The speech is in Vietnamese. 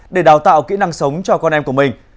để đào tạo kỹ năng sống cho con em của mình